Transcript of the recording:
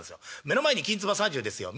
目の前にきんつば３０ですよ。